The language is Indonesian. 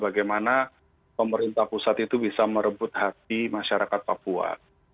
bagaimana pemerintah pusat itu bisa merebut hati masyarakat papua